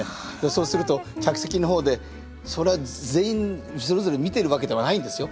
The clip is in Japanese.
そうすると客席の方でそれは全員それぞれ見てるわけではないんですよ。